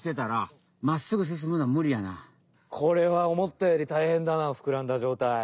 これは思ったより大変だなふくらんだじょうたい。